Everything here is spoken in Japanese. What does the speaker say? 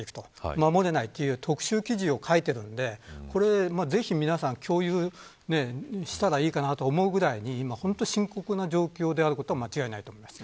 守れないという特集記事を書いているのでぜひ皆さん共有したらいいなと思うぐらい本当に深刻な状況にあるということは間違いないです。